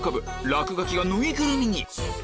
落書きが縫いぐるみに？